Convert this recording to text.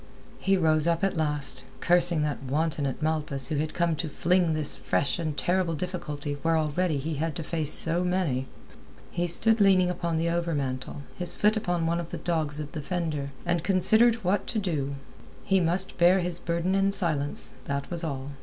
He rose up at last, cursing that wanton at Malpas who had come to fling this fresh and terrible difficulty where already he had to face so many. He stood leaning upon the overmantel, his foot upon one of the dogs of the fender, and considered what to do. He must bear his burden in silence, that was all.